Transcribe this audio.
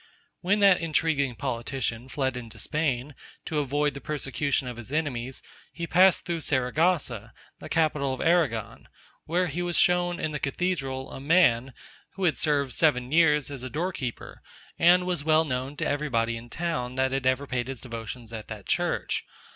When that intriguing politician fled into Spain, to avoid the persecution of his enemies, he passed through Saragossa, the capital of Arragon, where he was shewn, in the cathedral, a man, who had served seven years as a door keeper, and was well known to every body in town, that had ever paid his devotions at that church.